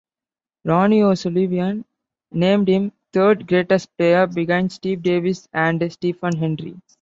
Ronnie O'Sullivan named him third greatest player, behind Steve Davis and Stephen Hendry.